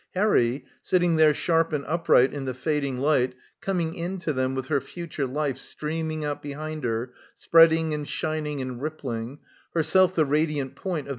Harry, sitting there sharp and up right in the fading light, coming in to them with her future life streaming out behind her spread ing and shining and rippling, herself the radiant point of